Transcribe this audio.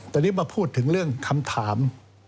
ตอนนี้มาพูดถึงเรื่องคำถาม